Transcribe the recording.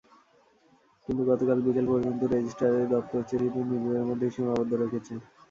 কিন্তু গতকাল বিকেল পর্যন্ত রেজিস্ট্রারের দপ্তর চিঠিটি নিজেদের মধ্যেই সীমাবদ্ধ রেখেছে।